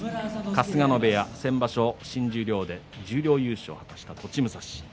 春日野部屋は先場所新十両で十両優勝を果たした栃武蔵